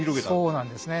そうなんですね。